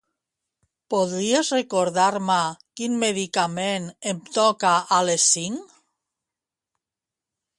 Podries recordar-me quin medicament em toca a les cinc?